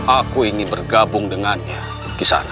aku ingin bergabung dengannya kisana